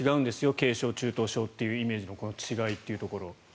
軽症、中等症っていうイメージのこの違いというところ。